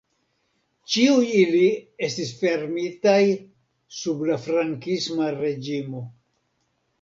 Ĉiuj ili estis fermitaj sub la frankisma reĝimo.